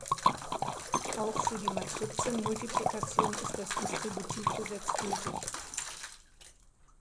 Auch für die Matrizenmultiplikation ist das Distributivgesetz gültig.